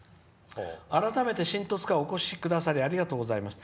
改めて、新十津川お越しくださりありがとうございました。